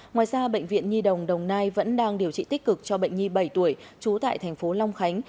ngoài ra bệnh viện nhi đồng đồng nai vẫn đang điều trị tích cực cho bệnh nhi bảy tuổi trú tại thành phố long khánh